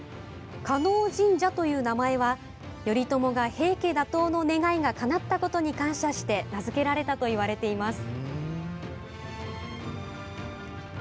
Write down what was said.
叶神社という名前は、頼朝が平家打倒の願いがかなったことに感謝して名付けられたといわれています。